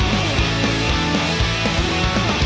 มันอยู่ที่หัวใจ